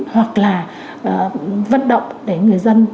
hoặc là vận động để người dân